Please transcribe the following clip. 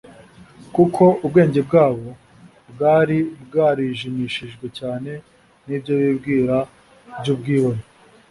kuko ubwenge bwabo bwari bwarijimishijwe cyane n'ibyo bibwira by'ubwibone.